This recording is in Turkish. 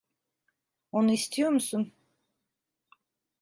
Onu istiyor musun?